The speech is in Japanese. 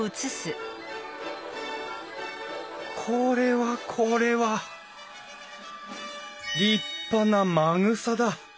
これはこれは立派なまぐさだ。